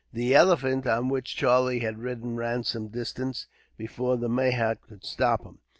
The elephant on which Charlie had ridden ran some distance, before the mahout could stop him.